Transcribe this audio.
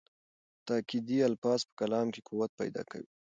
تاکېدي الفاظ په کلام کې قوت پیدا کوي.